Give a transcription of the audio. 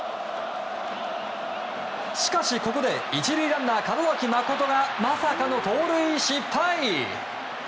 しかし、ここで１塁ランナー、門脇誠がまさかの盗塁失敗。